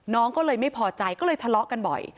น้องก็เลยไม่พอใจก็เลยทะเลาะกันบ่อย